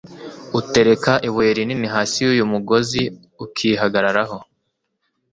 utereka ibuye rinini hasi y'uyu mugozi, ukihagararaho